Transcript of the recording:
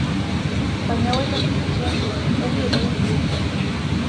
Baina hauek handituz joan ziren, herri eta hiri bihurtuz.